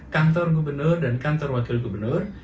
kantor gubernur dan kantor wakil gubernur